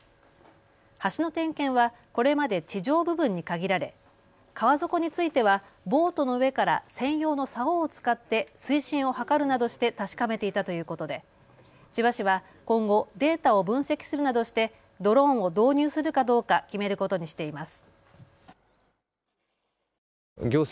橋の点検はこれまで地上部分に限られ川底についてはボートの上から専用のさおを使って水深を測るなどして確かめていたということで千葉市は今後、データを分析するなどしてドローンを導入するかどうか決めることにしています。